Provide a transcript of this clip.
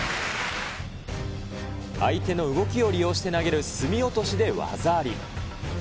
相手の動きを利用して投げる隅落としで技あり。